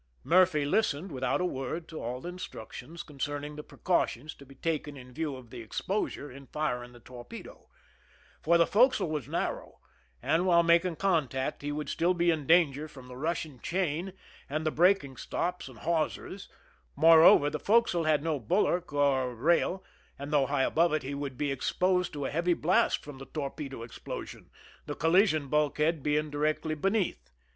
Murphy listened without a word to all the instruc tions concerning the precautions to be taken in view of the exposure in firing the torpedo : for the fore castle was narrow, and while making contact he would still be in danger from the rushing chain and the breaking stops and hawsers ; moreover, the forecastle had no bulwark or rail, and though high above it, he would be exposed to a heavy blast from the torpedo explosion, the collision bulkhead being directly beneath.